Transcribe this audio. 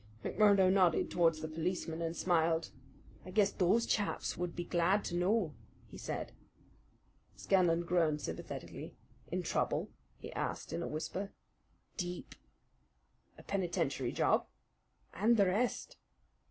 McMurdo nodded towards the policemen and smiled. "I guess those chaps would be glad to know," he said. Scanlan groaned sympathetically. "In trouble?" he asked in a whisper. "Deep." "A penitentiary job?" "And the rest."